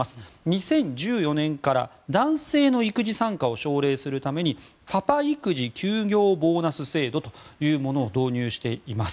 ２０１４年から男性の育児参加を奨励するためにパパ育児休業ボーナス制度というものを導入しています。